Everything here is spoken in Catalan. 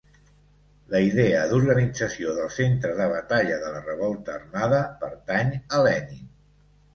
La idea d'organització del centre de batalla de la revolta armada pertany a Lenin.